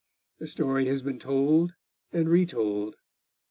The story has been told and retold.